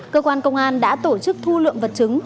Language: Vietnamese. cơ quan công an đã tổ chức thu lượm vật chứng